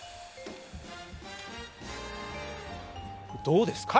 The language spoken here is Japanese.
どうですか？